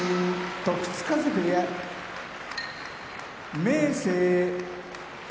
時津風部屋明生